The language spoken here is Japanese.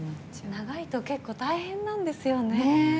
長いと結構、大変なんですよね。